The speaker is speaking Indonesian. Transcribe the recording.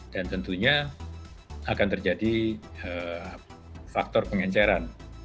dan tentunya akan terjadi faktor pengenceran